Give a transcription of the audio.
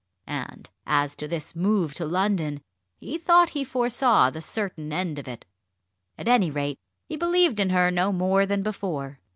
And as to this move to London, he thought he foresaw the certain end of it. At any rate he believed in her no more than before.